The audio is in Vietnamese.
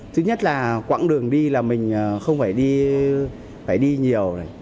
thứ nhất là quãng đường đi là mình không phải đi nhiều